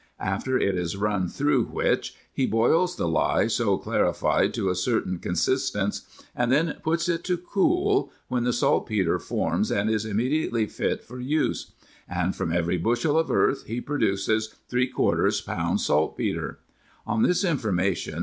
After it is run thro' w"*", he boils the Lie so clarified to a certain Consistance, & then puts it to cool, when the saltpetre forms, & is immediately fit for use ;& from every Bushel of earth he produces ^ lb. saltpetre. On this information